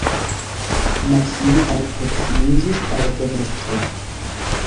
Maksimo alproksimiĝis al fenestro.